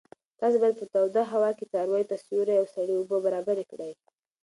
تاسو باید په توده هوا کې څارویو ته سیوری او سړې اوبه برابرې کړئ.